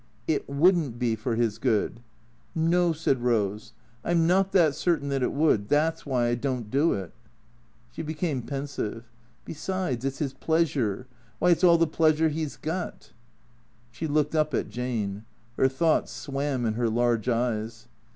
" It would n't be for his good." " No," said Eose, " I 'm not that certain that it would. That 's why I don't do it." She became pensive. " Besides, it 's 'is pleasure. Why, it 's all the pleasure he 's got." She looked up at Jane. Her thoughts swam in her large eyes.